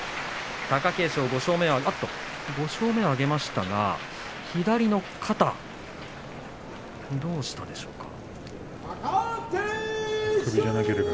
５勝目を挙げましたが左の肩、どうしたでしょうか。